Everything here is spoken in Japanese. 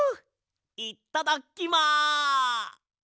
いっただきま。